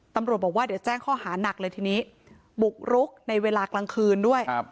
ตำรวจบอกว่าเดี๋ยวแจ้งข้อหานักเลยทีนี้บุกรุกในเวลากลางคืนด้วย